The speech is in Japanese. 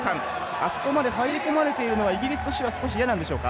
あそこまで入り込まれるのはイギリスとしては嫌なんですか？